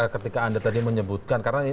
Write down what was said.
ketika anda tadi menyebutkan karena